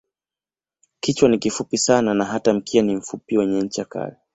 Kichwa ni kifupi sana na hata mkia ni mfupi wenye ncha kali.